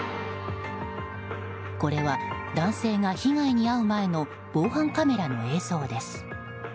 これは、男性が被害に遭う前の防犯カメラの映像です。